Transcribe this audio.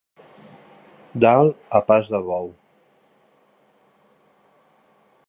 Dalt a pas de bou.